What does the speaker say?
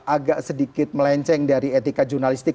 agak sedikit melenceng dari etika jurnalistik